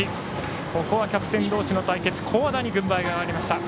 ここはキャプテン同士の対決古和田に軍配が上がりました。